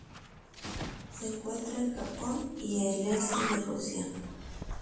Se encuentra en Japón y el este de Rusia.